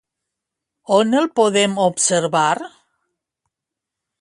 On el podem observar?